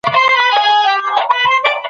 څېړونکی باید روڼ انده شخصیت ولري.